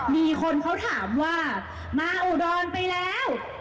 มีคนเขาถามว่ามาอุดรไปแล้ว